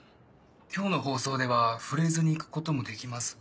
今日の放送では触れずにいくこともできますが。